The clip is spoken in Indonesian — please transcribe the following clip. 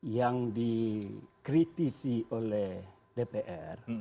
yang dikritisi oleh dpr